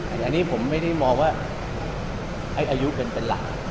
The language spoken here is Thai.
อันนี้ผมไม่ได้มองว่าให้อายุเป็นหลัก